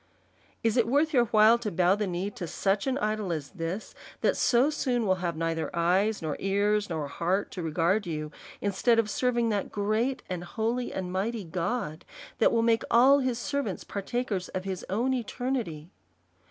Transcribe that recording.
Is it worth your while to bow the knee to such an idol as this, that so soon will have neither eyes, nor ears, nor a heart to regard you ; instead of serving that great, and holy, and mighty God, that will make all his servants partakers of his own eternity?